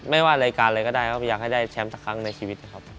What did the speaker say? ไม่ว่ารายการเลยก็ได้ครับอยากให้ได้แชมป์สักครั้งในชีวิตนะครับ